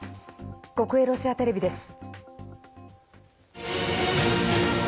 国営ロシアテレビです。